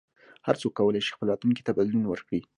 هر څوک کولای شي خپل راتلونکي ته بدلون ورکړي.